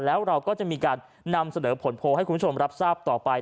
แล้วเราก็จะมีการนำเสนอผลโพลให้คุณผู้ชมรับทราบต่อไป